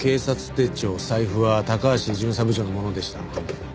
財布は高橋巡査部長のものでした。